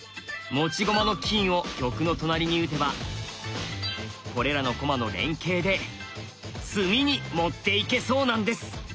持ち駒の金を玉の隣に打てばこれらの駒の連携で詰みに持っていけそうなんです！